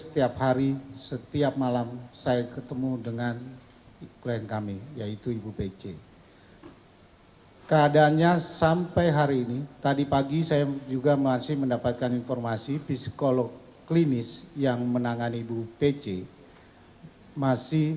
tim kuasa hukum putri candrawati